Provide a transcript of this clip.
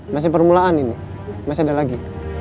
masih permulaan ini masih ada lagi